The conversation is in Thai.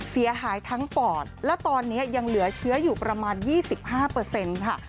เสียหายทั้งปอดแล้วตอนนี้ยังเหลือเชื้ออยู่ประมาณ๒๕ค่ะ